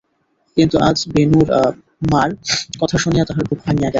কিন্তু আজ বেণুর মার কথা শুনিয়া তাহার বুক ভাঙিয়া গেল।